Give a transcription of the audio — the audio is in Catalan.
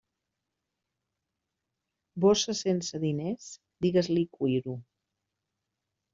Bossa sense diners, digues-li cuiro.